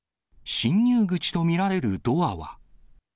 侵入口と見られるドアは。